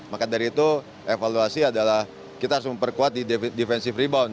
maka dari itu evaluasi adalah kita harus memperkuat di defensive rebound